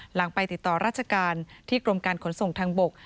หลังไปติดต่อราชการที่กรมการขนส่งทางบก